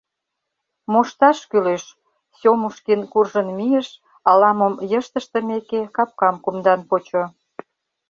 — Мошташ кӱлеш, — Сёмушкин куржын мийыш, ала-мом йышт ыштымеке, капкам кумдан почо.